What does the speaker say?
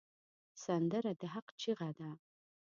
سندره د حق چیغه ده